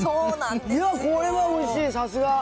いや、これはおいしい、さすが。